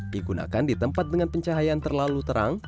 digunakan di tempat dengan pencahayaan terlalu terang